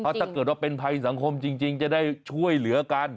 ถ้าเกิดว่าเป็นภัยสังคมจริงจะได้ช่วยเหลือกัน